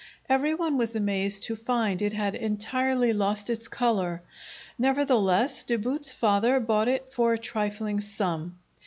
Every one was amazed to find it had entirely lost its color; nevertheless De Boot's father bought it for a trifling sum.